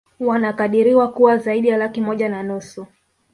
Wanakadiriwa kuwa zaidi ya laki moja na nusu